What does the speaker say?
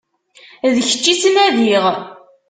D kečč i ttnadiɣ.